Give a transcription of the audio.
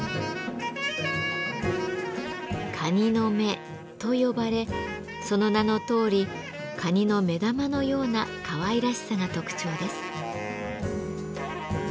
「蟹の目」と呼ばれその名のとおり蟹の目玉のようなかわいらしさが特徴です。